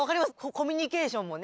コミュニケーションもね。